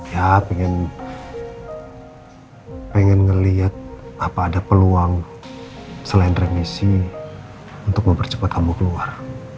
ya pengen ngeliat apa ada peluang selain remisi untuk mempercepat kamu keluar